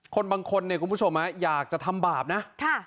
คนบางคนเนี่ยคุณผู้ชมอยากจะทำบาปนะ